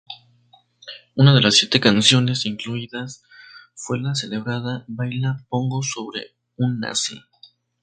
Una de las siete canciones incluidas fue la celebrada "Baila pogo sobre un nazi".